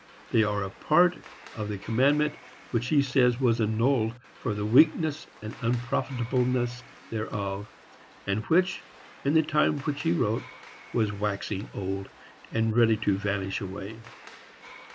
They are a part of the commandment which he says was annulled for the weakness and unprofitableness thereof, and which, in the time which he wrote, was waxing old, and ready to vanish away.